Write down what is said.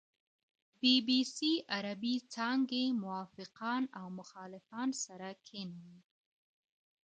بي بي سي عربې څانګې موافقان او مخالفان سره کېنول.